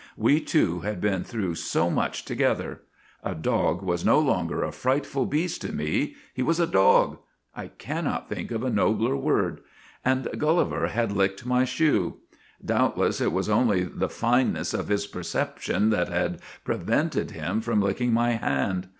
We two had been through so much together. A dog was no longer a frightful beast to me; he was a dog! I cannot think of a nobler word. And Gulliver had licked my shoe ! Doubtless it was only the fineness of his perception that had prevented him from lick ing my hand.